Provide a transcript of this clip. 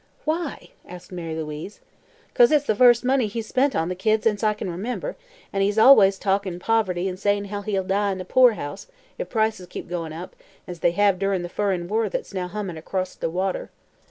"Why?" asked Mary Louise. "'Cause it's the first money he's spent on the kid since I kin remember, an' he's allus talkin' poverty an' says how he'll die in the poorhouse if prices keep goin' up, as they hev durin' the furrin war that's now hummin' acrost the water.